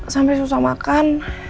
sampe susah makan